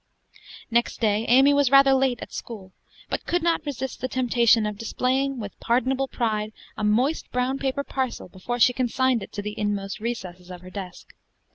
Next day Amy was rather late at school; but could not resist the temptation of displaying, with pardonable pride, a moist brown paper parcel before she consigned it to the inmost recesses of her desk.